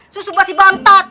susu buat si bontot